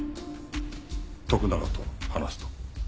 「徳永と話す」と。